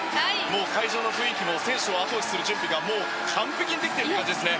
会場の雰囲気も選手を後押しする準備が完璧にできていますね。